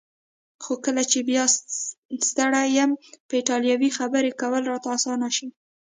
خو کله چې بیا ستړی یم په ایټالوي خبرې کول راته اسانه شي.